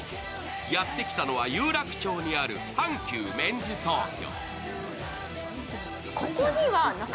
やってきたのは有楽町にある阪急メンズ東京。